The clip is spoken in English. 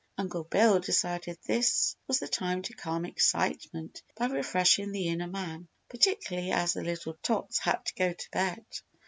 Uncle Bill decided this was the time to calm excitement by refreshing the inner man, particularly as the little tots had to go to bed.